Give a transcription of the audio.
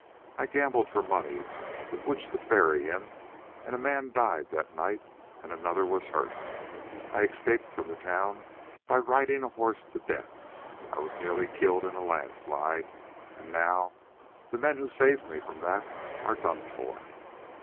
I gambled for money with which to bury him, and a man died that night and another was hurt. I escaped from the town by riding a horse to death. I was nearly killed in a landslide, and now the men who saved me from that are done for.